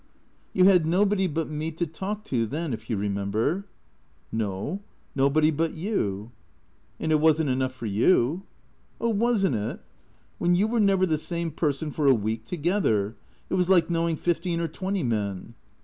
" You had nobody but me to talk to then, if you remember." " No. Nobody but you." " And it was n't enough for you." " Oh, was n't it ? When you were never the same person for a week together. It was like knowing fifteen or twenty men."